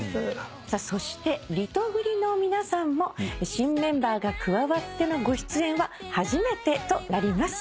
そしてリトグリの皆さんも新メンバーが加わってのご出演は初めてとなります。